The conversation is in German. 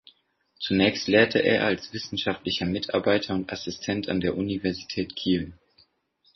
Zunächst lehrte er als wissenschaftlicher Mitarbeiter und Assistent an der Universität Kiel.